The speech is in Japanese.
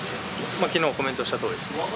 きのう、コメントしたとおりですね。